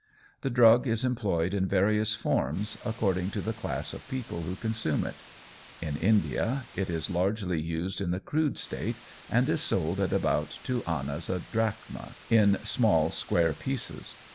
The drug is employed in various forms, according to the class of people who consume it. In India it is largely used in the crude state, and is sold at about two annas a drachm, in small square pieces.